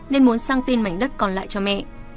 nên muốn sang tin mảnh đất còn lại cho mẹ